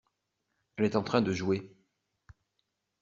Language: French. Elle est en train de jouer.